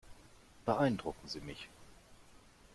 Beeindrucken Sie mich.